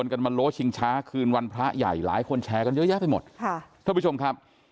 กันมาโลชิงช้าคืนวันพระใหญ่หลายคนแชร์กันเยอะแยะไปหมดค่ะท่านผู้ชมครับ